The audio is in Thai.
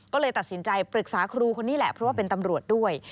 ก็เลยตัดสินใจปรึกษาครูคนนี้แหละเพราะว่าเป็นตำรวจด้วย